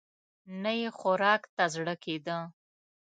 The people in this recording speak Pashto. نه يې خوراک ته زړه کېده.